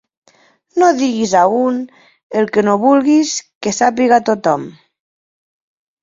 No diguis a un el que no vulguis que sàpiga tothom.